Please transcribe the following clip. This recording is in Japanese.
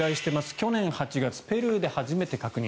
去年８月、ペルーで初めて確認。